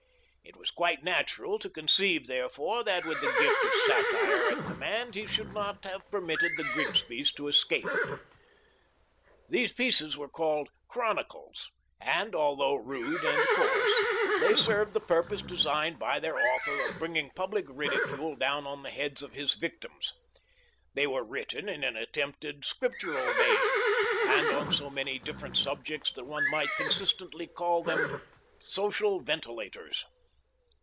It was quite nat ural to conceive therefore that with the gift of satire at command he should not have permitted the Grigsbys to escape. These pieces were called " Chronicles," and although rude and coarse, they served the purpose designed by their author of bringing public ridicule down on the heads of his victims. They were written in an attempted scriptural vein, and on so many different subjects that one might consistently call them " social venti lators."